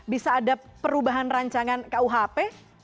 bisa ada perubahan rancangan kuhp